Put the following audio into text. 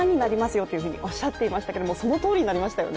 よっておっしゃっていましたけれどもそのとおりになりましたよね。